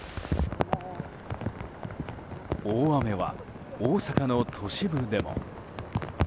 大雨は大阪の都市部でも。